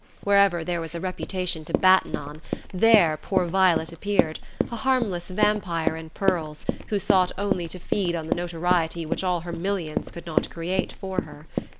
Wherever there was a reputation to batten on, there poor Violet appeared, a harmless vampire in pearls who sought only to feed on the notoriety which all her millions could not create for her.